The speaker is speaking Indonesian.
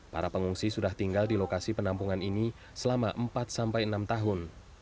para pengungsi sudah tinggal di lokasi penampungan ini selama empat sampai enam tahun